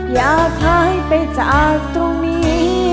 อยากหายไปจากตรงนี้